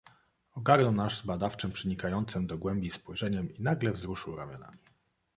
"Ogarnął nas badawczem, przenikającem do głębi spojrzeniem i nagle wzruszył ramionami."